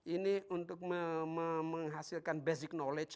ini untuk menghasilkan basic knowledge